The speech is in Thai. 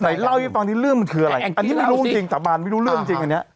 เล่าให้ฟังที่เรื่องมันคืออะไรอันนี้ไม่รู้จริงสาบานไม่รู้เรื่องจริงอันเนี้ย